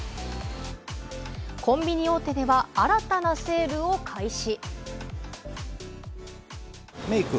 コンビニ大手では新たなセールを開始。